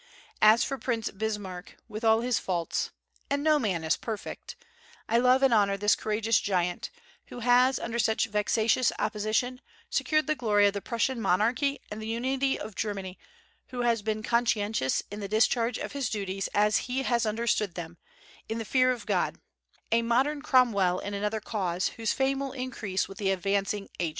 As for Prince Bismarck, with all his faults, and no man is perfect, I love and honor this courageous giant, who has, under such vexatious opposition, secured the glory of the Prussian monarchy and the unity of Germany; who has been conscientious in the discharge of his duties as he has understood them, in the fear of God, a modern Cromwell in another cause, whose fame will increase with the advancing ages.